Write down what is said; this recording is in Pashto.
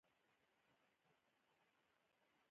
هره ورځ کتاب لولم